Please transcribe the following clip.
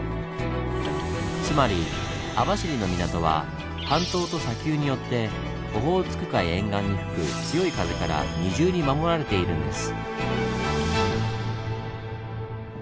つまり網走の港は半島と砂丘によってオホーツク海沿岸に吹く強い風から二重に守られているんです。